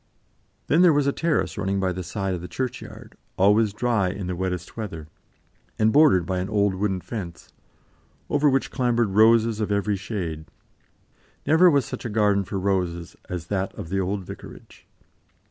Then there was a terrace running by the side of the churchyard, always dry in the wettest weather, and bordered by an old wooden fence, over which clambered roses of every shade; never was such a garden for roses as that of the Old Vicarage.